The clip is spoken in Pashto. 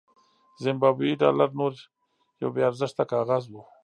زیمبابويي ډالر نور یو بې ارزښته کاغذ و.